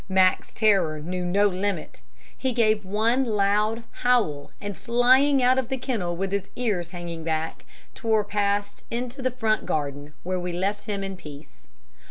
Mack's terror knew no limit. He gave one loud howl, and flying out of the kennel with his ears hanging back, tore past into the front garden, where we left him in peace.